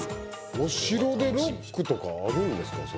お城でロックとかあるんですか？